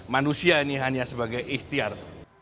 manusia ini hanya sebagai ikhtiar